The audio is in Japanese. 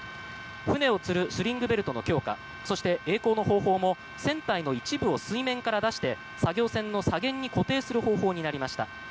船をつるスリングベルトの強化そして、曳航の方法も船体の一部を水面から出して作業船の左舷に固定する方法になりました。